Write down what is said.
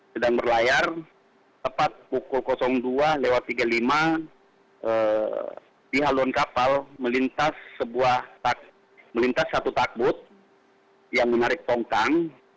satu lima belas sedang berlayar tepat pukul dua tiga puluh lima di haluan kapal melintas satu takbut yang menarik tongkang